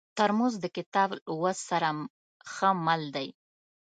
ترموز د کتاب لوست سره ښه مل دی.